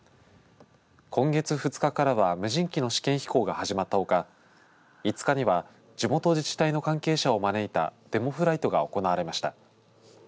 今月２日からは無人機の試験飛行が始まったほか５日には地元自治体の関係者を招いたデモフライトが行われました。